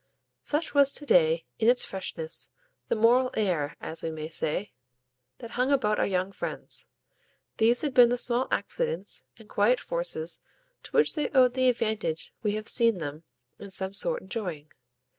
Such was to day, in its freshness, the moral air, as we may say, that hung about our young friends; these had been the small accidents and quiet forces to which they owed the advantage we have seen them in some sort enjoying.